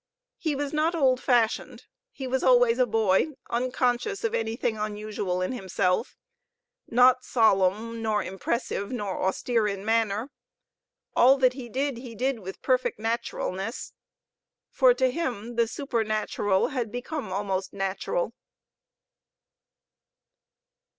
He was not old fashioned; he was always a boy, unconscious of anything unusual in himself; not solemn nor impressive nor austere in manner. All that he did, he did with perfect naturalness; for to him the supernatural had become almost natural.